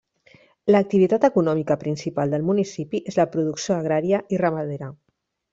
L'activitat econòmica principal del municipi és la producció agrària i ramadera.